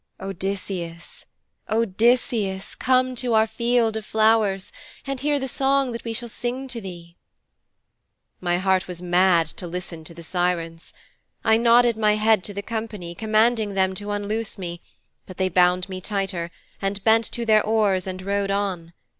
Odysseus, Odysseus, come to our field of flowers, and hear the song that we shall sing to thee."' 'My heart was mad to listen to the Sirens. I nodded my head to the company commanding them to unloose me, but they bound me the tighter, and bent to their oars and rowed on.